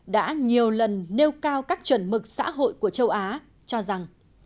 đã nhiều lần nêu cao các chuẩn mực xã hội của châu á cho rằng